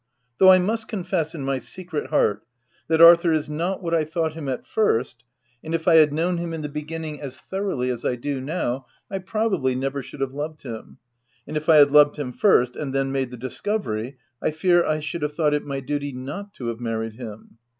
though I must confess, in my secret heart, that Arthur is not what I thought him at first, and if I had known him in the beginning, as thoroughly as I do now, I probably never should have loved him, and if I had loved him first, and then made the discovery, I fear I should have thought it my duty not to have married him.